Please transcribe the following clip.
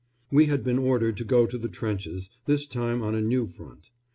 We had been ordered to go to the trenches, this time on a new front.